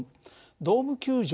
ドーム球場